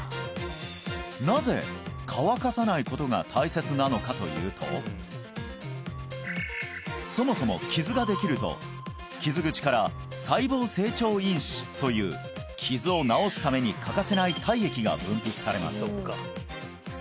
なぜ乾かさないことが大切なのかというとそもそも傷ができると傷口から細胞成長因子という傷を治すために欠かせない体液が分泌されます